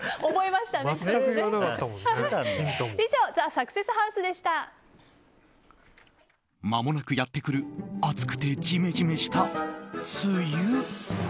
まもなくやってくる暑くてジメジメした梅雨。